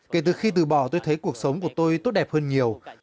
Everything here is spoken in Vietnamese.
kể từ khi từ bỏ tôi thấy cuộc sống của tôi tốt đẹp hơn nhiều